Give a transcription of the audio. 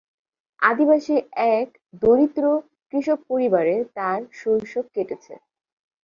আদিবাসী এক দরিদ্র কৃষক পরিবারে তার শৈশব কেটেছে।